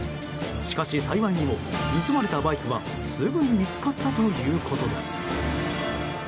しかし、幸いにも盗まれたバイクはすぐに見つかったということです。